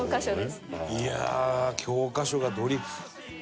いやあ教科書がドリフ。